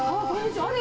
あれ？